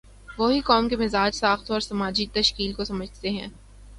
وہی قوم کے مزاج، ساخت اور سماجی تشکیل کو سمجھتے ہیں۔